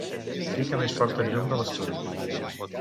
Fica més fort el llum de l'estudi.